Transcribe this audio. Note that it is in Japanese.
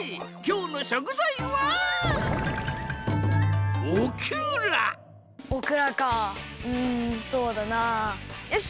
うんそうだなよし！